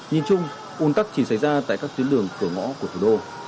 nhìn chung un tắc chỉ xảy ra tại các tuyến đường cửa ngõ của thủ đô